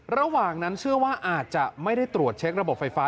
ระหว่างนั้นเชื่อว่าอาจจะไม่ได้ตรวจเช็คระบบไฟฟ้า